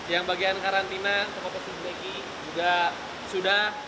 yang bagian karantina pokok pokok suhu beki juga sudah